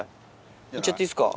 行っちゃっていいですか？